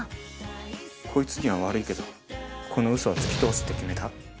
こいつには悪いけどこの嘘はつき通すって決めた。